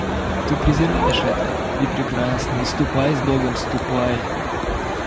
Ты презираешь это, и прекрасно, и ступай с Богом, ступай!